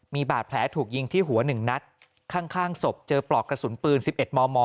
มีบาดแผลถูกยิงที่หัว๑นัดข้างศพเจอปลอกกระสุนปืน๑๑มม